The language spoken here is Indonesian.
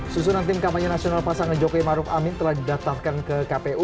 susunan tim kampanye nasional pasangan jokowi maruf amin telah didatafkan ke kpu